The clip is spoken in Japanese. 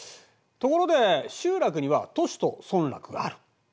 ところで集落には都市と村落がある。